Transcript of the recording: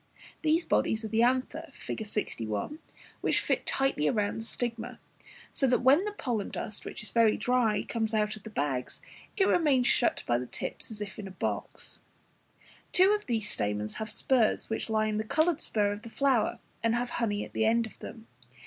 These bodies are the anthers, Fig. 61, which fit tightly round the stigma, so that when the pollen dust, which is very dry, comes out of the bags, it remains shut in by the tips as if in a box. Two of these stamens have spurs which lie in the coloured spur of the flower, and have honey at the end of them.